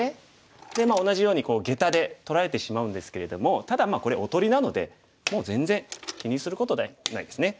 で同じようにゲタで取られてしまうんですけれどもただこれおとりなのでもう全然気にすることないですね。